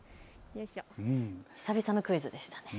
久々のクイズでしたね。